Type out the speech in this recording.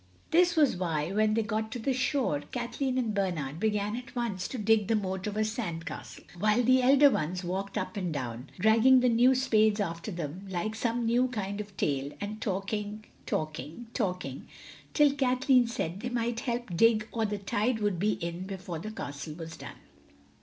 This was why when they got to the shore Kathleen and Bernard began at once to dig the moat of a sandcastle, while the elder ones walked up and down, dragging the new spades after them like some new kind of tail, and talking, talking, talking till Kathleen said they might help dig or the tide would be in before the castle was done.